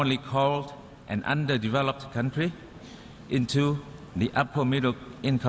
ในสถานที่ล้อมอยู่ในสงสารที่นี้